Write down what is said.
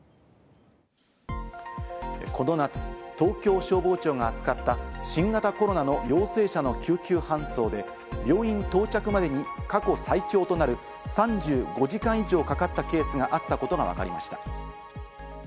この夏、東京消防庁が使った新型コロナの陽性者の救急搬送で、病院到着までに過去最長となる３５時間以上かかったケースだったことがわかりました。